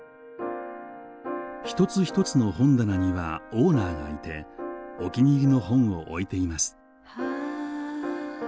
一つ一つの本棚にはオーナーがいてお気に入りの本を置いています。